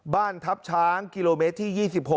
บ้านทัพช้างกิโลเมตรที่๒๖